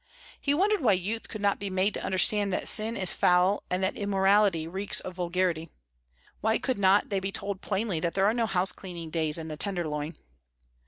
He wondered why youth could not be made to understand that sin is foul and that immorality reeks of vulgarity. Why could not they be told plainly that there are no housecleaning days in the tenderloin?